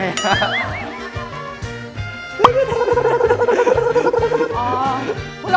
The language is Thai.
อ๋ออุลหภูมิ